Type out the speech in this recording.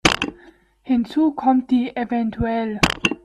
Hinzu kommt die evtl.